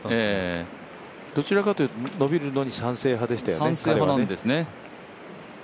どちらかというとのびるのに賛成派でしたよね。